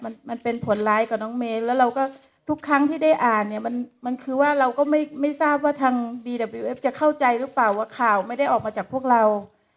มันมันเป็นผลร้ายกับน้องเมนแล้วเราก็ทุกครั้งที่ได้อ่านเนี่ยมันมันคือว่าเราก็ไม่ไม่ทราบว่าทางบีกับบีเอฟจะเข้าใจหรือเปล่าว่าข่าวไม่ได้ออกมาจากพวกเรา